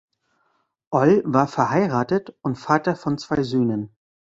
Oll war verheiratet und Vater von zwei Söhnen.